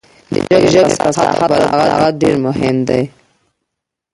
د ژبې فصاحت او بلاغت ډېر مهم دی.